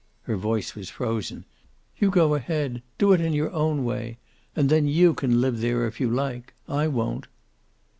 Her voice was frozen. "You go ahead. Do it in your own way. And then you can live there, if you like. I won't."